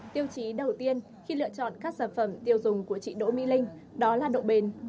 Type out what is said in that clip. tiêu chí đầu tiên khi lựa chọn các sản phẩm tiêu dùng của chị đỗ mỹ linh đó là độ bền